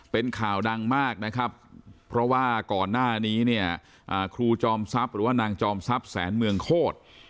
เป็นข่าวดังมากนะครับเพราะว่าก่อนหน้านี้เนี่ยครูจอมทรัพย์หรือว่านางจอมทรัพย์แสนเมืองโคตร